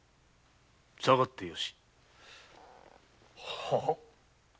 さがってよし。